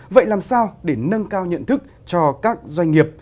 vậy làm sao để nâng cao nhận thức cho các doanh nghiệp